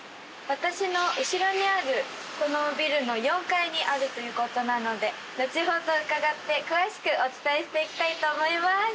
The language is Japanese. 私の後ろにあるこのビルの４階にあるということなのでのちほど伺って詳しくお伝えしていきたいと思います